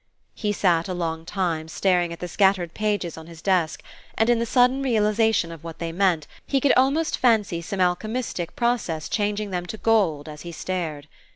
He sat a long time staring at the scattered pages on his desk; and in the sudden realization of what they meant he could almost fancy some alchemistic process changing them to gold as he stared.